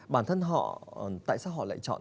bản thân họ tại sao họ lại chọn